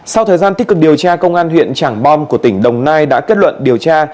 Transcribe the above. sau thời gian tích cực điều tra công an huyện trảng bom của tỉnh đồng nai đã kết luận điều tra